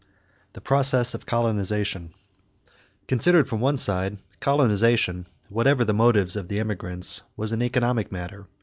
THE PROCESS OF COLONIZATION Considered from one side, colonization, whatever the motives of the emigrants, was an economic matter.